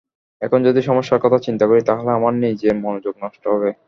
এখন যদি সমস্যার কথা চিন্তা করি, তাহলে আমার নিজের মনোযোগ নষ্ট হবে।